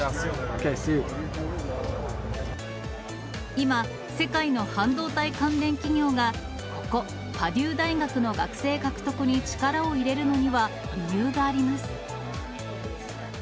今、世界の半導体関連企業が、ここ、パデュー大学の学生獲得に力を入れるのには、理由があります。